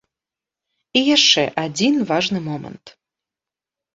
І яшчэ адзін важны момант.